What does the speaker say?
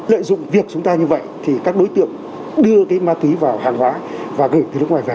lợi dụng việc chúng ta như vậy thì các đối tượng đưa cái ma túy vào hàng hóa và gửi từ nước ngoài về